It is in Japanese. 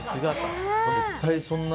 絶対、そんな。